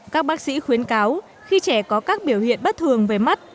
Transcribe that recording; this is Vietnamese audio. các bác sĩ khuyến cáo khi trẻ có các biểu hiện bất thường về mắt